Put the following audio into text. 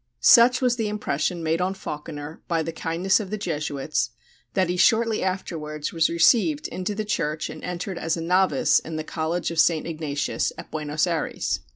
Such was the impression made on Falkiner by the kindness of the Jesuits that he shortly afterwards was received into the Church and entered as a novice in the College of St. Ignatius at Buenos Ayres.